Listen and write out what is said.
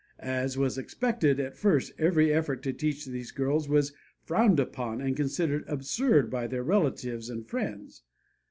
As was expected, at first every effort to teach these girls was frowned upon and considered absurd by their relatives and friends.